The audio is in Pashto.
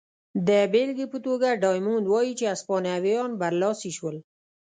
د بېلګې په توګه ډایمونډ وايي چې هسپانویان برلاسي شول.